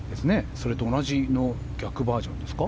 それと同じの逆バージョンか。